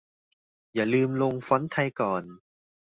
อย่าลืมลงฟอนต์ไทยก่อน